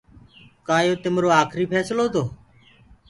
ڪآ يو تمرو آکري ڦيسلو تو۔